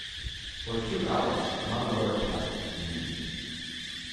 For two hours not a word passed between them.